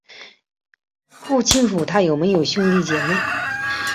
不清楚他有没有兄弟姊妹。